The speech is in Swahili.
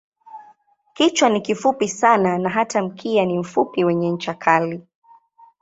Kichwa ni kifupi sana na hata mkia ni mfupi wenye ncha kali.